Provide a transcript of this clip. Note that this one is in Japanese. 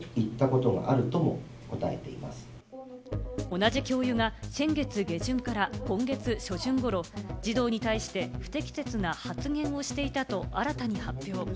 同じ教諭が先月下旬から今月初旬ごろ、児童に対して不適切な発言をしていたと新たに発表。